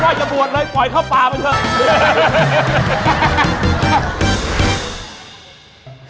จะบวชเลยปล่อยเข้าป่าไปเถอะ